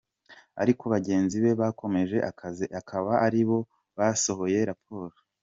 Ariko bagenzi be bakomeje akazi, akaba ari bo basohoye raporo.